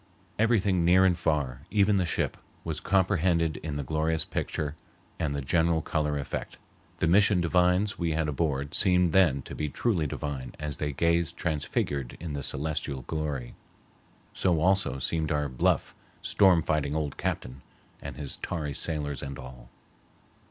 Everything near and far, even the ship, was comprehended in the glorious picture and the general color effect. The mission divines we had aboard seemed then to be truly divine as they gazed transfigured in the celestial glory. So also seemed our bluff, storm fighting old captain, and his tarry sailors and all.